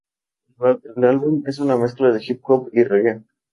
El álbum es una mezcla de hip hop y reggae.